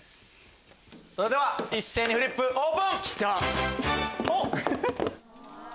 それでは一斉にフリップオープン！